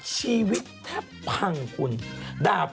พี่ปุ้ยลูกโตแล้ว